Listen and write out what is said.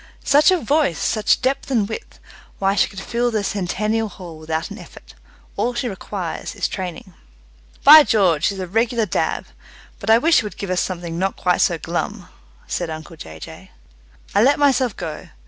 "Such a voice! Such depth and width! Why, she could fill the Centennial Hall without an effort. All she requires is training." "By George, she's a regular dab! But I wish she would give us something not quite so glum," said uncle Jay Jay. I let myself go.